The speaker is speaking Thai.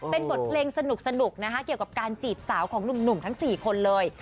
เป็นบทเพลงสนุกนะคะเกี่ยวกับการจีบสาวของหนุ่มทั้ง๔คนเลย